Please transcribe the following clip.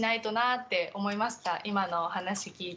今のお話聞いて。